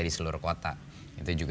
di seluruh kota itu juga